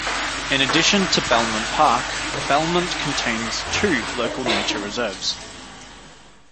In addition to Belmont Park, Belmont contains two Local Nature Reserves.